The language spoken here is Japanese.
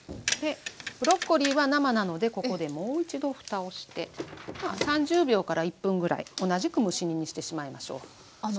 ブロッコリーは生なのでここでもう一度ふたをして３０秒から１分ぐらい同じく蒸し煮にしてしまいましょう。